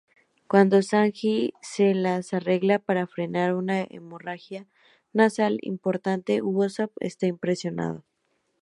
Cuando Sanji se las arregla para frenar una hemorragia nasal importante, Usopp está impresionado.